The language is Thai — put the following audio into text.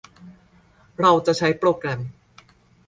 เราจะใช้โปรแกรม